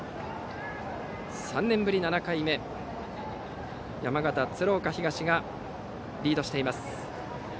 ３年ぶり７回目、山形・鶴岡東がリードしています。